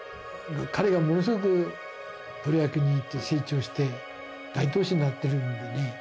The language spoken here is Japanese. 彼がものすごくプロ野球に行って成長して大投手になってるんでね。